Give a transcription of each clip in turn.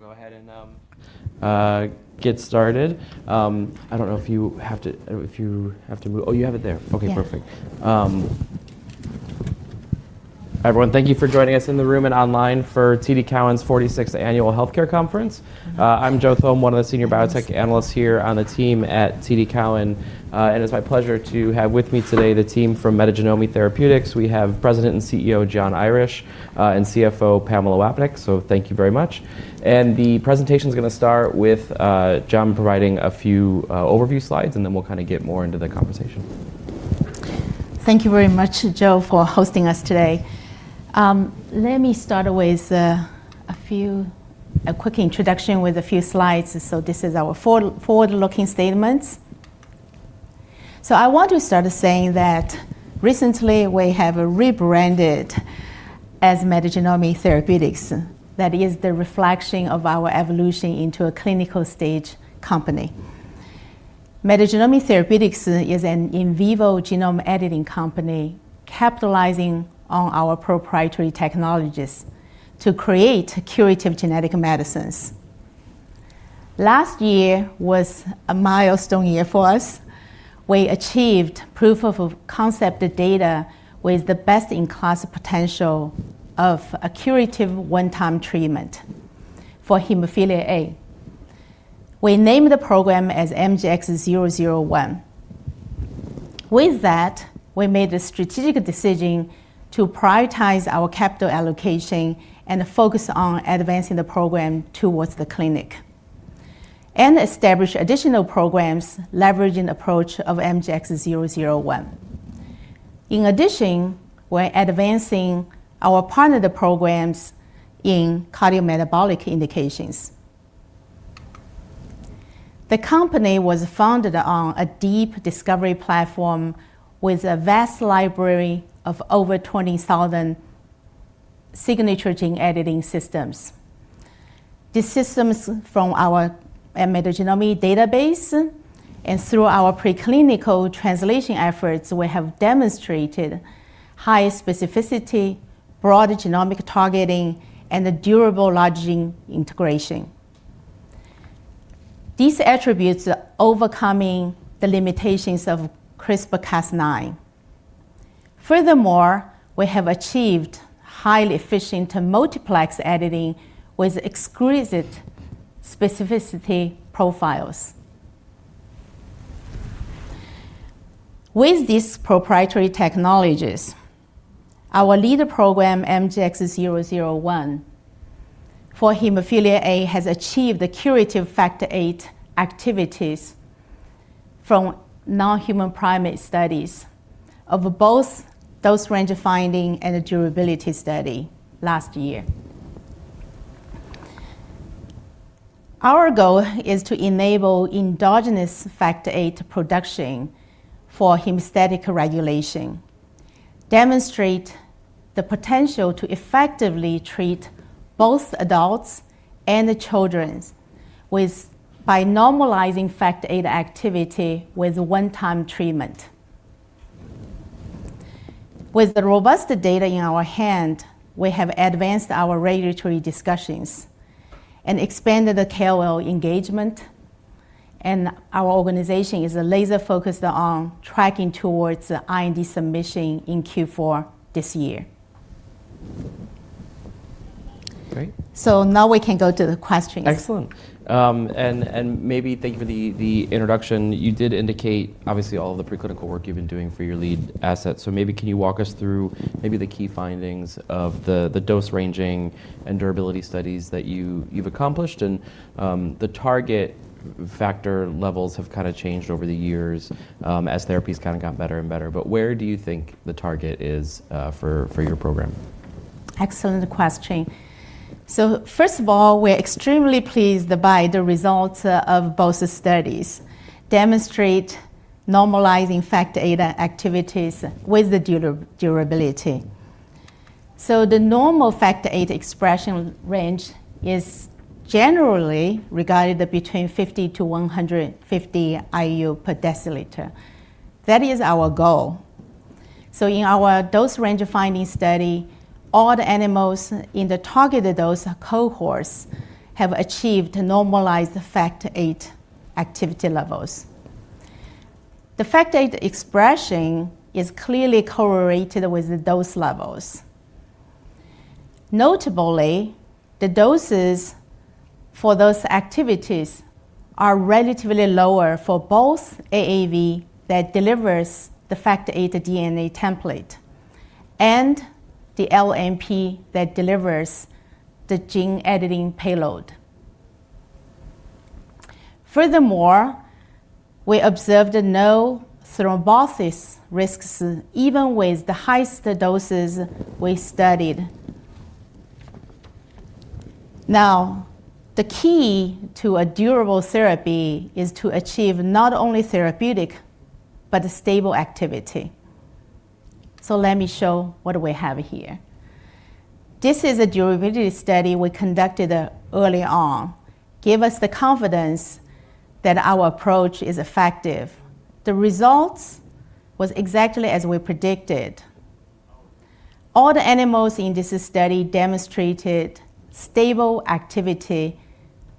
We'll go ahead and get started. I don't know if you have to. You have it there. Yeah. Okay, perfect. Everyone, thank you for joining us in the room and online for TD Cowen's 46th Annual Healthcare Conference. I'm Joseph Thome. Thanks One of the senior biotech analysts here on the team at TD Cowen. It's my pleasure to have with me today the team from Metagenomi Therapeutics. We have President and CEO, Jian Irish, and CFO, Pamela Wapnick, so thank you very much. The presentation's gonna start with John providing a few overview slides, and then we'll kind of get more into the conversation. Thank you very much, Joseph, for hosting us today. Let me start with a few, a quick introduction with a few slides. This is our forward-looking statements. I want to start saying that recently we have rebranded as Metagenomi Therapeutics, that is the reflection of our evolution into a clinical stage company. Metagenomi Therapeutics is an in vivo genome editing company capitalizing on our proprietary technologies to create curative genetic medicines. Last year was a milestone year for us. We achieved proof of concept data with the best-in-class potential of a curative one-time treatment for hemophilia A. We named the program as MGX-001. With that, we made the strategic decision to prioritize our capital allocation and focus on advancing the program towards the clinic, and establish additional programs leveraging approach of MGX-001. In addition, we're advancing our partner programs in cardiometabolic indications. The company was founded on a deep discovery platform with a vast library of over 20,000 signature gene editing systems. The systems from our Metagenomi database, through our preclinical translation efforts, we have demonstrated high specificity, broad genomic targeting, and durable lodging integration. These attributes are overcoming the limitations of CRISPR-Cas9. Furthermore, we have achieved highly efficient multiplex editing with exquisite specificity profiles. With these proprietary technologies, our leader program, MGX-001 for hemophilia A, has achieved the curative Factor VIII activities from non-human primate studies of both dose-range finding and a durability study last year. Our goal is to enable endogenous Factor VIII production for hemostatic regulation, demonstrate the potential to effectively treat both adults and the childrens by normalizing Factor VIII activity with one-time treatment. With the robust data in our hand, we have advanced our regulatory discussions and expanded the KOL engagement, and our organization is laser focused on tracking towards the IND submission in Q4 this year. Great. Now we can go to the questions. Excellent. Maybe thank you for the introduction. You did indicate obviously all the preclinical work you've been doing for your lead asset. Maybe can you walk us through maybe the key findings of the dose-range finding and durability studies that you've accomplished and the target factor levels have kind of changed over the years as therapies kind of got better and better, where do you think the target is for your program? Excellent question. First of all, we're extremely pleased by the results of both studies, demonstrate normalizing Factor VIII activities with the durability. The normal Factor VIII expression range is generally regarded between 50 to 150 IU/dL. That is our goal. In our dose-range finding study, all the animals in the targeted dose cohorts have achieved normalized Factor VIII activity levels. The Factor VIII expression is clearly correlated with the dose levels. Notably, the doses for those activities are relatively lower for both AAV that delivers the Factor VIII DNA template and the LNP that delivers the gene editing payload. Furthermore, we observed no thrombosis risks, even with the highest doses we studied. The key to a durable therapy is to achieve not only therapeutic, but stable activity. Let me show what we have here. This is a durability study we conducted early on, gave us the confidence that our approach is effective. The results was exactly as we predicted. All the animals in this study demonstrated stable activity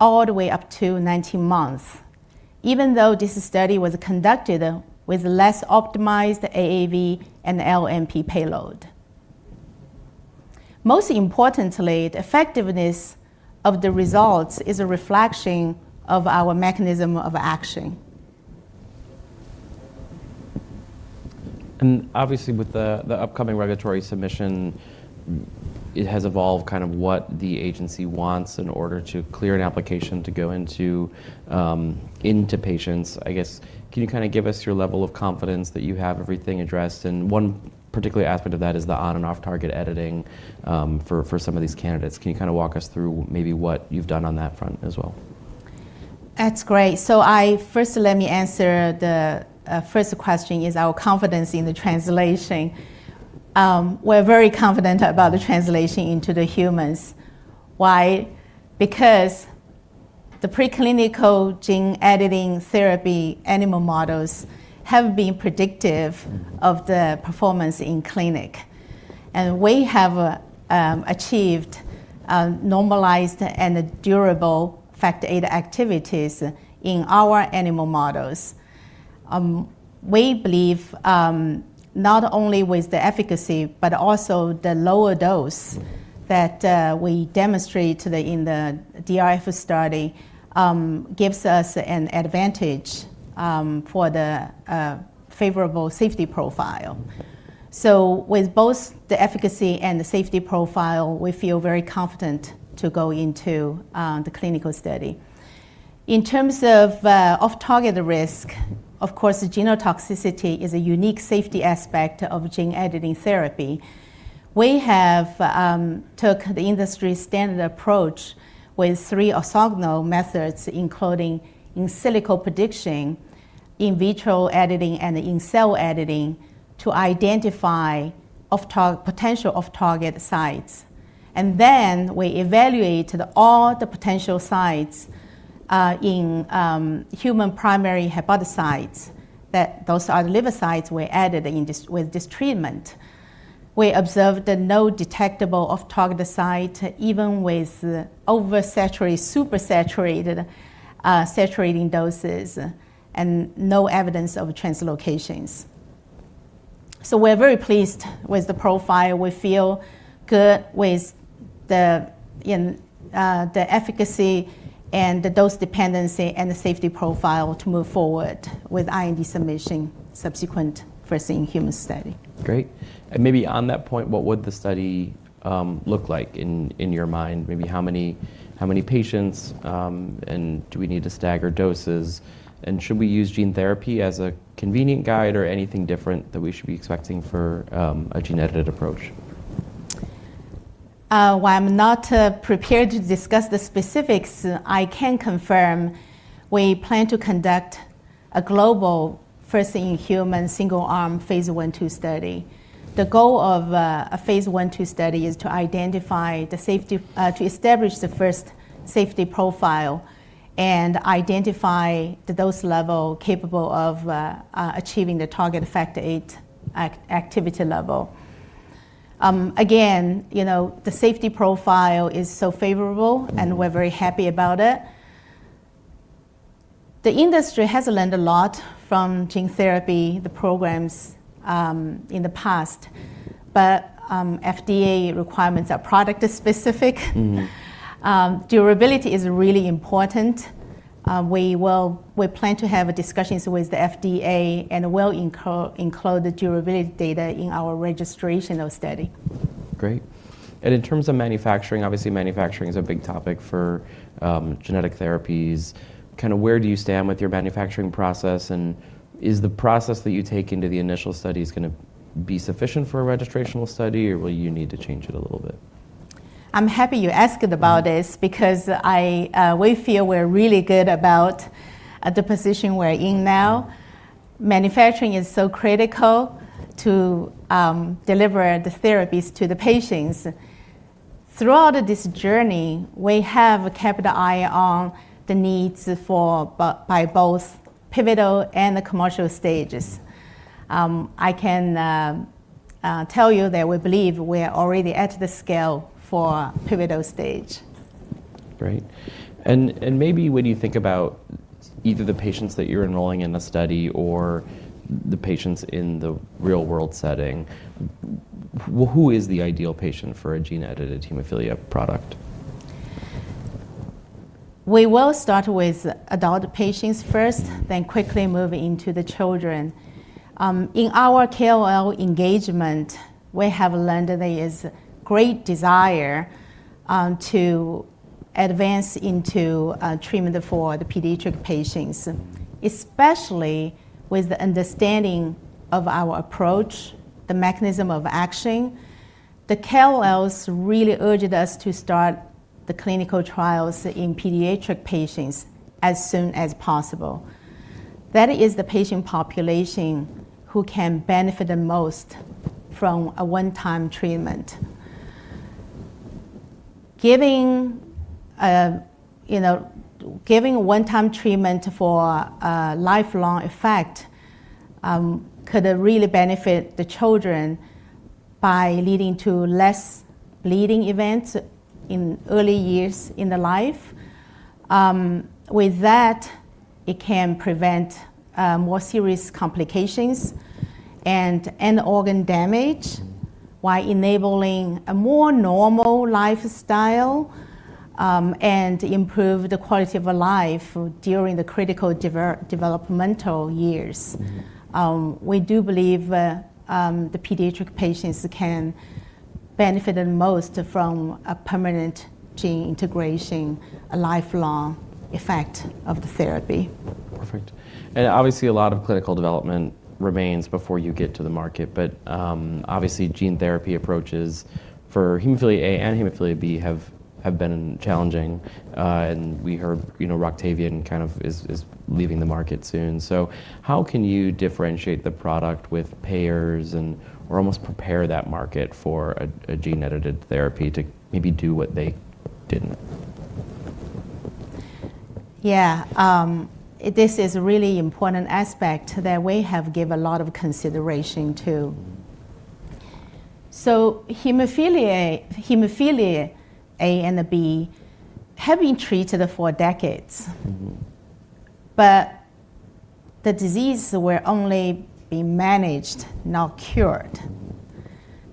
all the way up to 19 months, even though this study was conducted with less optimized AAV and LNP payload. Most importantly, the effectiveness of the results is a reflection of our mechanism of action. Obviously, with the upcoming regulatory submission, it has evolved kind of what the agency wants in order to clear an application to go into into patients. I guess, can you kind of give us your level of confidence that you have everything addressed? One particular aspect of that is the on and off-target editing for some of these candidates. Can you kind of walk us through maybe what you've done on that front as well? That's great. First let me answer the first question, is our confidence in the translation. We're very confident about the translation into the humans. Why? Because the preclinical gene editing therapy animal models have been. Mm-hmm. Of the performance in clinic. We have achieved a normalized and durable Factor VIII activities in our animal models. We believe not only with the efficacy but also the lower dose that we demonstrate in the DRF study gives us an advantage for the favorable safety profile. With both the efficacy and the safety profile, we feel very confident to go into the clinical study. In terms of off-target risk, of course, the genotoxicity is a unique safety aspect of gene-editing therapy. We have took the industry standard approach with three orthogonal methods, including in silico prediction, in vitro editing, and in cell editing to identify potential off-target sites. Then we evaluate all the potential sites in human primary hepatocytes that those are liver sites with this treatment. We observed no detectable off-target site, even with oversaturate, super saturated, saturating doses, and no evidence of translocations. We're very pleased with the profile. We feel good with the efficacy and the dose dependency and the safety profile to move forward with IND submission subsequent first-in-human study. Great. Maybe on that point, what would the study look like in your mind? Maybe how many patients, and do we need to stagger doses? Should we use gene therapy as a convenient guide or anything different that we should be expecting for a gene-edited approach? While I'm not prepared to discuss the specifics, I can confirm we plan to conduct a global first-in-human single-arm Phase I/II study. The goal of a Phase I/II study is to identify the safety to establish the first safety profile and identify the dose level capable of achieving the target Factor VIII activity level. Again, you know, the safety profile is so favorable, and we're very happy about it. The industry has learned a lot from gene therapy, the programs in the past. FDA requirements are product specific. Mm. Durability is really important. We plan to have discussions with the FDA and will include the durability data in our registrational study. Great. In terms of manufacturing, obviously manufacturing is a big topic for genetic therapies. Kind of where do you stand with your manufacturing process, and is the process that you take into the initial studies gonna be sufficient for a registrational study, or will you need to change it a little bit? I'm happy you asked about this because I we feel we're really good about the position we're in now. Manufacturing is so critical to deliver the therapies to the patients. Throughout this journey, we have kept an eye on the needs for by both pivotal and the commercial stages. I can tell you that we believe we're already at the scale for pivotal stage. Great. Maybe when you think about either the patients that you're enrolling in the study or the patients in the real-world setting, who is the ideal patient for a gene-edited hemophilia product? We will start with adult patients first, then quickly move into the children. In our KOL engagement, we have learned there is great desire to advance into treatment for the pediatric patients, especially with the understanding of our approach, the mechanism of action. The KOLs really urged us to start the clinical trials in pediatric patients as soon as possible. That is the patient population who can benefit the most from a one-time treatment. Giving, you know, one-time treatment for a lifelong effect could really benefit the children by leading to less bleeding events in early years in the life. With that, it can prevent more serious complications and end organ damage while enabling a more normal lifestyle and improve the quality of life during the critical developmental years. Mm-hmm. We do believe the pediatric patients can benefit the most from a permanent gene integration, a lifelong effect of the therapy. Perfect. Obviously, a lot of clinical development remains before you get to the market, but, obviously, gene therapy approaches for hemophilia A and hemophilia B have been challenging. We heard Roctavian kind of is leaving the market soon. How can you differentiate the product with payers or almost prepare that market for a gene-edited therapy to maybe do what they didn't? This is a really important aspect that we have gave a lot of consideration, too. Mm-hmm. Hemophilia, hemophilia A and B have been treated for decades. Mm-hmm. The disease will only be managed, not cured.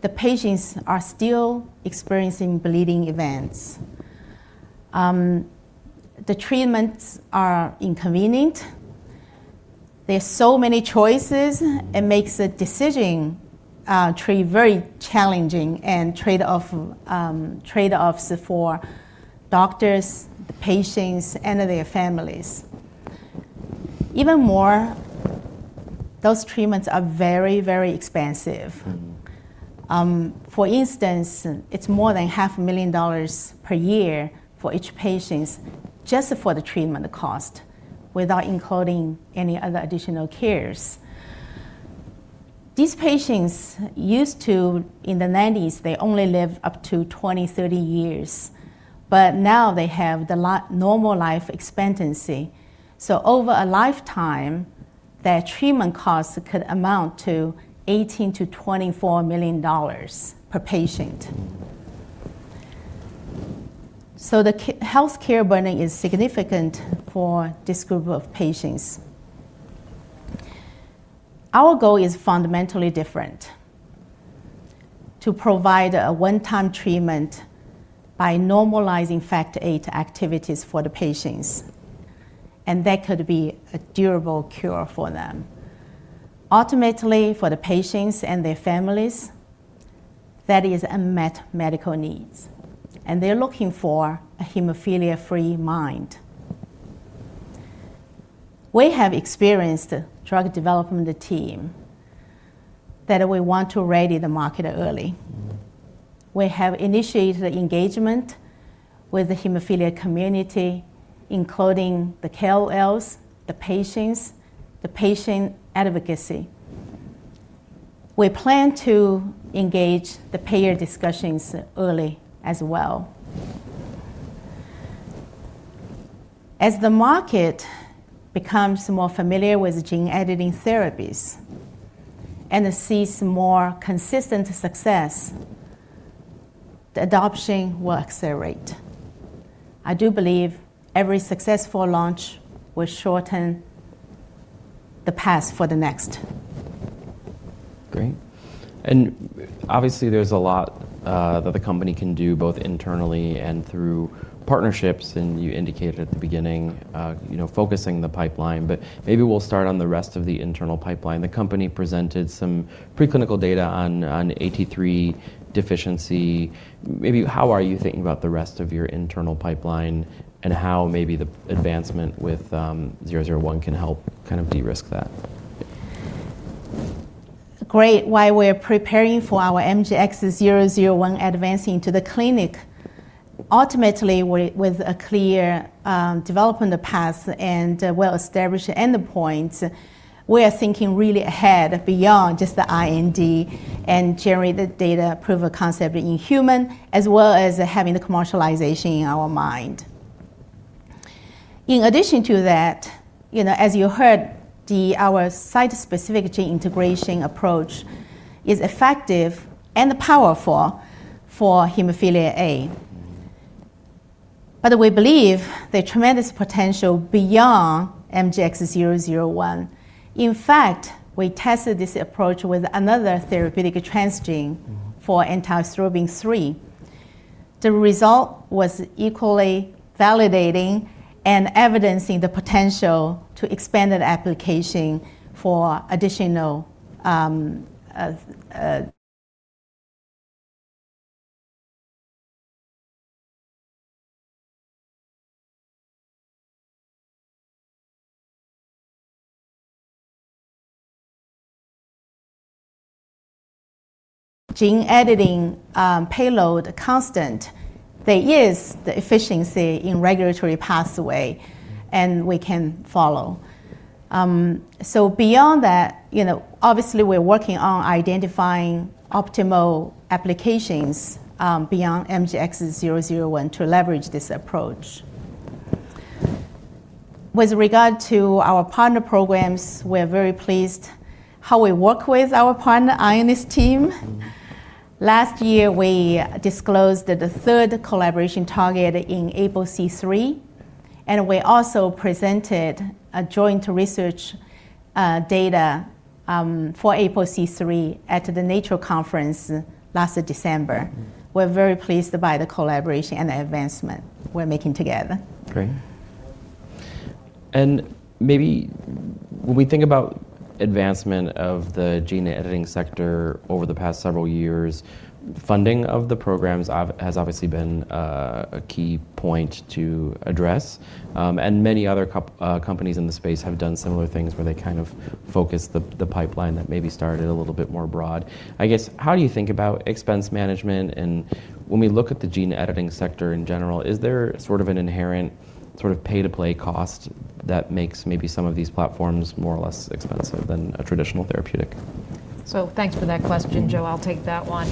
The patients are still experiencing bleeding events. The treatments are inconvenient. There's so many choices. Mm. It makes the decision, very challenging and trade-offs for doctors, the patients, and their families. Even more, those treatments are very, very expensive. Mm-hmm. For instance, it's more than half a million dollars per year for each patients just for the treatment cost without including any other additional cares. These patients used to, in the nineties, they only live up to 20, 30 years, but now they have the normal life expectancy. Over a lifetime, their treatment costs could amount to $18 to 24 million per patient. Mm. The healthcare burden is significant for this group of patients. Our goal is fundamentally different, to provide a one-time treatment by normalizing Factor VIII activities for the patients, and that could be a durable cure for them. Ultimately, for the patients and their families, that is unmet medical needs, and they're looking for a hemophilia-free mind. We have experienced drug development team that we want to ready the market early. Mm-hmm. We have initiated engagement with the hemophilia community, including the KOLs, the patients, the patient advocacy. We plan to engage the payer discussions early as well. As the market becomes more familiar with gene-editing therapies and sees more consistent success, the adoption will accelerate. I do believe every successful launch will shorten the path for the next. Great. Obviously, there's a lot that the company can do both internally and through partnerships, and you indicated at the beginning, you know, focusing the pipeline. Maybe we'll start on the rest of the internal pipeline. The company presented some preclinical data on ATIII deficiency. Maybe how are you thinking about the rest of your internal pipeline and how maybe the advancement with 001 can help kind of de-risk that? Great. While we're preparing for our MGX-001 advancing to the clinic, ultimately with a clear development path and a well-established endpoint, we are thinking really ahead beyond just the IND and generate the data proof of concept in human, as well as having the commercialization in our mind. as you heard, our site-specific gene integration approach is effective and powerful for hemophilia A. Mm-hmm. We believe the tremendous potential beyond MGX-001. In fact, we tested this approach with another therapeutic transgene. Mm-hmm. for antithrombin III. The result was equally validating and evidencing the potential to expand the application for additional gene editing payload constant. There is the efficiency in regulatory pathway, and we can follow. Beyond that, you know, obviously we're working on identifying optimal applications beyond MGX-001 to leverage this approach. With regard to our partner programs, we're very pleased how we work with our partner Ionis team. Last year, we disclosed the third collaboration target in APOC3, and we also presented a joint research data for APOC3 at the Nature Conference last December. We're very pleased by the collaboration and the advancement we're making together. Great. Maybe when we think about advancement of the gene-editing sector over the past several years, funding of the programs has obviously been a key point to address. Many other companies in the space have done similar things where they kind of focus the pipeline that maybe started a little bit more broad. I guess, how do you think about expense management? When we look at the gene-editing sector in general, is there sort of an inherent sort of pay-to-play cost that makes maybe some of these platforms more or less expensive than a traditional therapeutic? Thanks for that question, Joseph. I'll take that one.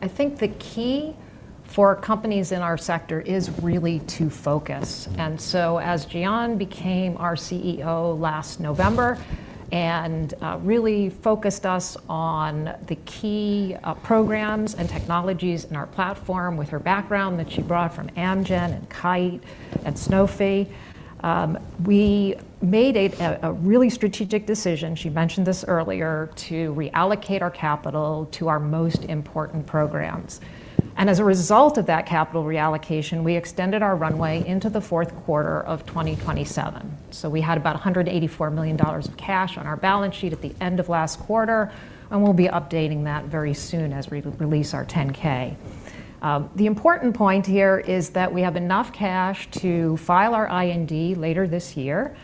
I think the key for companies in our sector is really to focus. As Jian became our CEO last November, really focused us on the key programs and technologies in our platform with her background that she brought from Amgen and Kite and Sanofi, we made a really strategic decision, she mentioned this earlier, to reallocate our capital to our most important programs. As a result of that capital reallocation, we extended our runway into the Q4 of 2027. We had about $184 million of cash on our balance sheet at the end of last quarter, and we'll be updating that very soon as we re-release our 10-K. The important point here is that we have enough cash to file our IND later this year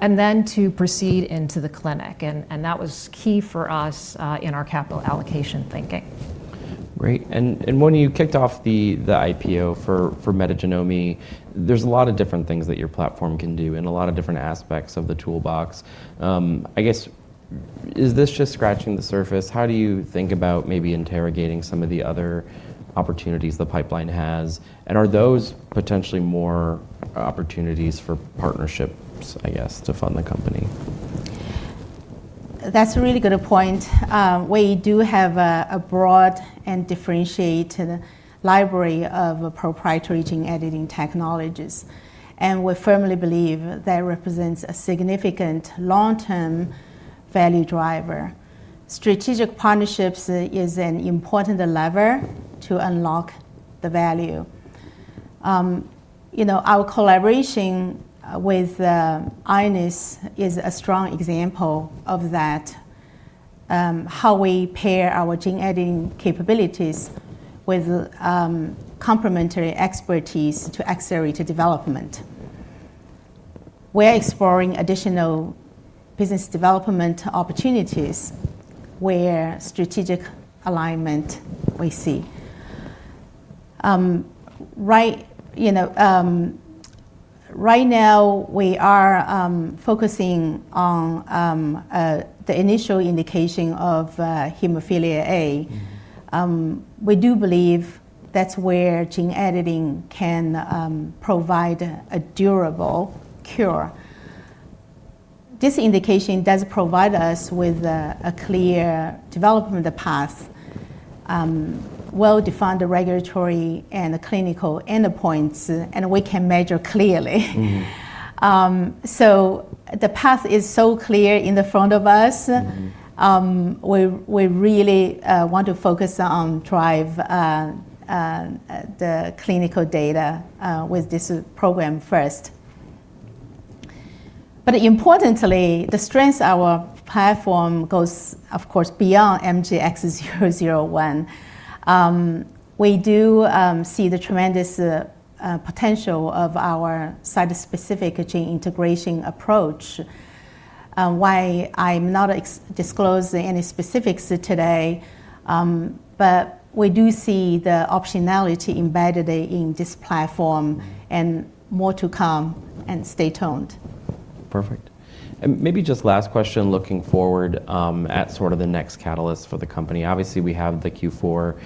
and then to proceed into the clinic. That was key for us in our capital allocation thinking. Great. When you kicked off the IPO for Metagenomi, there's a lot of different things that your platform can do and a lot of different aspects of the toolbox. I guess, is this just scratching the surface? How do you think about maybe interrogating some of the other opportunities the pipeline has? Are those potentially more opportunities for partnerships, I guess, to fund the company? That's a really good point. We do have a broad and differentiated library of proprietary gene-editing technologies, and we firmly believe that represents a significant long-term value driver. Strategic partnerships is an important lever to unlock the value. our collaboration with Ionis is a strong example of that, how we pair our gene-editing capabilities with complementary expertise to accelerate development. We're exploring additional business development opportunities where strategic alignment we see. Right now we are focusing on the initial indication of hemophilia A. We do believe that's where gene editing can provide a durable cure. This indication does provide us with a clear development path, well-defined regulatory and clinical endpoints, and we can measure clearly. Mm-hmm. The path is so clear in the front of us. Mm-hmm We really want to focus on drive the clinical data with this program first. Importantly, the strength of our platform goes, of course, beyond MGX-001. We do see the tremendous potential of our site-specific gene integration approach, and while I'm not disclosing any specifics today, we do see the optionality embedded in this platform and more to come and stay tuned. Perfect. Maybe just last question looking forward, at sort of the next catalyst for the company. Obviously, we have the Q4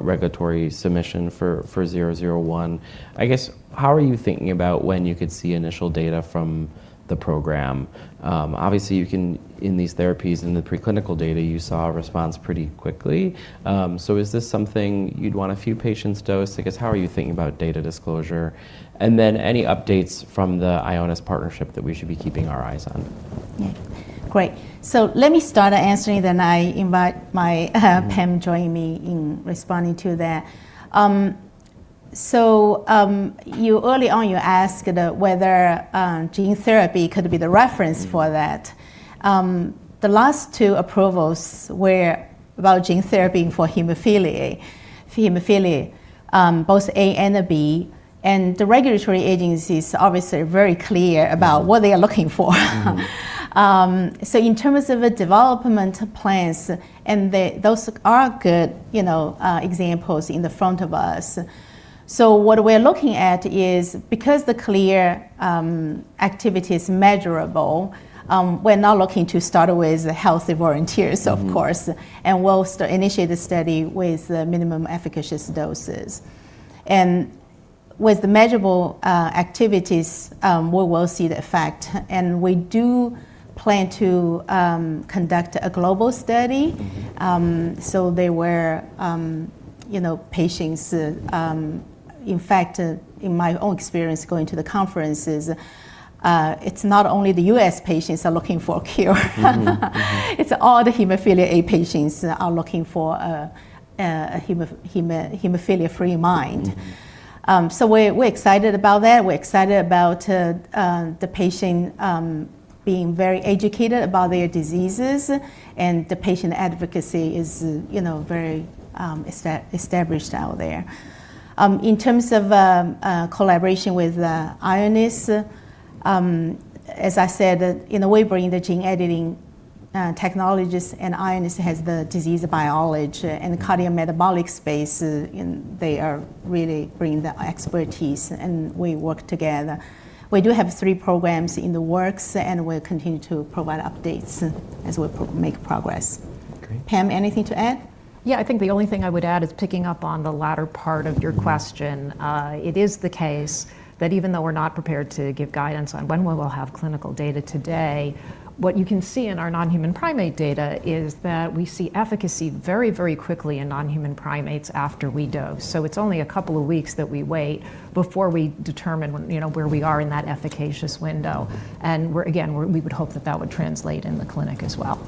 regulatory submission for 001. I guess, how are you thinking about when you could see initial data from the program? Obviously, you can in these therapies, in the preclinical data, you saw a response pretty quickly. Is this something you'd want a few patients dosed? I guess, how are you thinking about data disclosure? Then any updates from the Ionis partnership that we should be keeping our eyes on? Yeah. Great. Let me start answering, then I invite my Pam join me in responding to that. You early on, you ask the whether gene therapy could be the reference for that. The last 2 approvals were about gene therapy for hemophilia A and B, and the regulatory agency's obviously very clear about what they are looking for. Mm-hmm. In terms of the development plans, those are good, you know, examples in the front of us. What we're looking at is because the clear, activity is measurable, we're now looking to start with the healthy volunteers. Mm of course, and we'll initiate the study with the minimum efficacious doses. With the measurable activities, we will see the effect, and we do plan to conduct a global study. Mm-hmm. There were patients, in fact, in my own experience going to the conferences, it's not only the U.S. patients are looking for a cure. Mm-hmm. It's all the hemophilia A patients are looking for a hemophilia free mind. Mm-hmm. We're excited about that, we're excited about the patient being very educated about their diseases, and the patient advocacy is, you know, very established out there. In terms of collaboration with Ionis, as I said, you know, we bring the gene editing technologies, Ionis has the disease biology and the cardiometabolic space, and they are really bringing the expertise, and we work together. We do have 3 programs in the works, we'll continue to provide updates as we make progress. Okay. Pamela, anything to add? The only thing I would add is, picking up on the latter part of your question- Mm-hmm .it is the case that even though we're not prepared to give guidance on when we will have clinical data today, what you can see in our non-human primate data is that we see efficacy very, very quickly in non-human primates after we dose. It's only a couple of weeks that we wait before we determine when, you know, where we are in that efficacious window. We're, again, we would hope that that would translate in the clinic as well.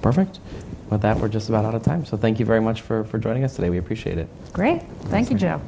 Perfect. With that, we're just about out of time. Thank you very much for joining us today. We appreciate it. Great. Thank you, Jeff.